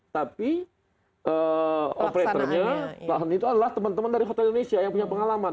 tapi operatornya bahan itu adalah teman teman dari hotel indonesia yang punya pengalaman